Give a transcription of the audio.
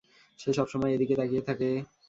সে সবসময় এদিকে তাকিয়ে থাকে।